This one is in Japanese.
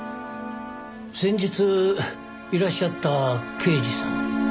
先日いらっしゃった刑事さん。